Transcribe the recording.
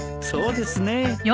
そうですね。